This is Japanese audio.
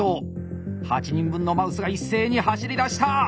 ８人分のマウスが一斉に走りだした！